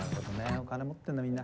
お金持ってるんだみんな。